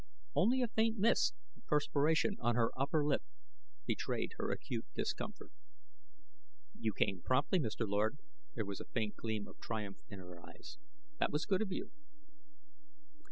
Only a faint mist of perspiration on her upper lip betrayed her acute discomfort. "You came promptly, Mr. Lord." There was a faint gleam of triumph in her eyes. "That was good of you."